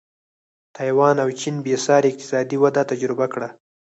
تایوان او چین بېسارې اقتصادي وده تجربه کړه.